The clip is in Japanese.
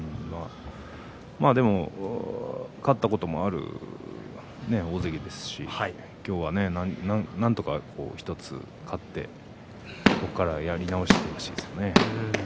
でも勝ったこともある大関ですし今日は、なんとか１つ勝ってここからやり直してほしいですね。